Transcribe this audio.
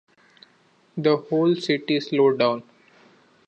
The whole city slowed down.